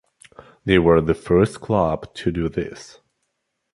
They were the first club to do this.